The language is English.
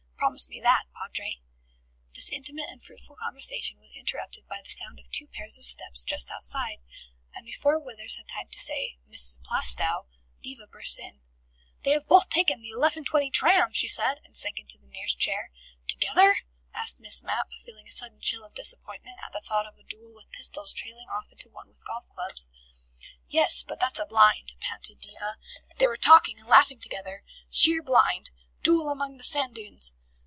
Promise me that, Padre." This intimate and fruitful conversation was interrupted by the sound of two pairs of steps just outside, and before Withers had had time to say "Mrs. Plaistow," Diva burst in. "They have both taken the 11.20 tram," she said, and sank into the nearest chair. "Together?" asked Miss Mapp, feeling a sudden chill of disappointment at the thought of a duel with pistols trailing off into one with golf clubs. "Yes, but that's a blind," panted Diva. "They were talking and laughing together. Sheer blind! Duel among the sand dunes!"